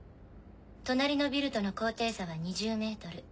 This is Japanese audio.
隣のビルとの高低差は２０ｍ。